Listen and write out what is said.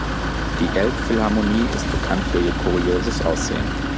Die Elbphilharmonie ist bekannt für ihr kurioses Aussehen.